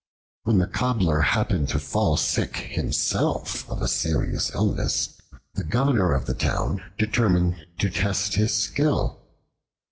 When the Cobbler happened to fall sick himself of a serious illness, the Governor of the town determined to test his skill.